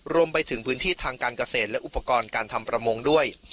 รวมไปถึงพื้นที่ทางการเกษตรและอุปกรณ์การทำประมงด้วย